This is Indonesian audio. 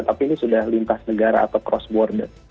tapi ini sudah lintas negara atau cross border